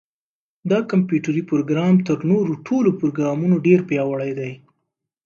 دا کمپیوټري پروګرام تر نورو ټولو پروګرامونو ډېر پیاوړی دی.